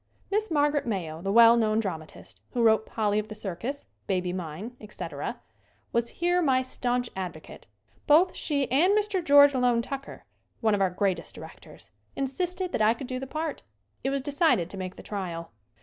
Miss Margaret Mayo, the well known dra matist, who wrote "Polly of the Circus," "Baby Mine," etc., was here my stanch advo cate. Both she and Mr. George Loane Tucker, one of our greatest directors, insisted that I could do the part. It was decided to make the trial.